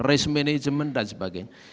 risk management dan sebagainya